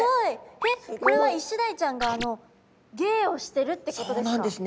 えっこれはイシダイちゃんが芸をしてるってことですか？